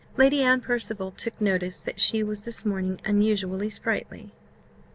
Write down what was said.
Lady Anne Percival took notice that she was this morning unusually sprightly.